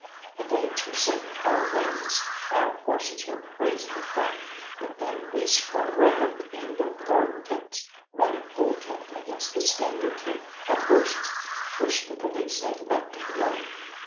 The bullets were singing all round us, our horses were crazy with fright, but then we swung round the end of the garden fence, running full tilt against the standing team of horses which the police had left in the road.